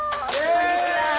こんにちは。